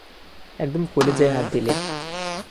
একদম কলিজায় হাত দিলে।